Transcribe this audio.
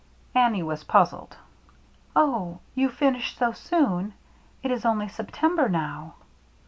Annie was puzzled. " Oh, you finish so soon ? It is only Sep tember now."